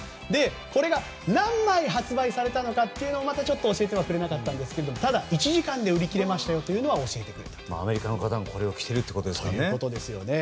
これが何枚発売されたのかというのはまたちょっと教えてくれなかったんですが１時間で売り切れましたよとはアメリカの方がこれを着てるということですからね。